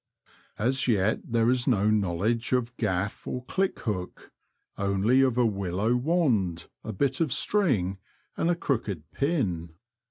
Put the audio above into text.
As yet there is no knowledge of gaff or click hook — only of a willow wand, a bit of string, and a croocked pin.